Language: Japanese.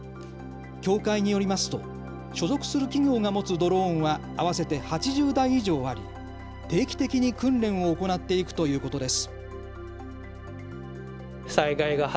協会によりますと所属する企業が持つドローンは合わせて８０台以上あり定期的に訓練を行っていくということです。